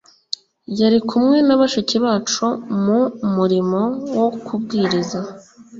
yari kumwe na bashiki bacu mu murimo wo kubwiriza